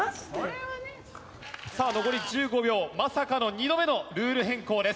さあ残り１５秒まさかの２度目のルール変更です。